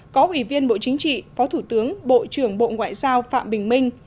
có ủy viên bộ chính trị phó thủ tướng bộ trưởng bộ ngoại giao phạm bình minh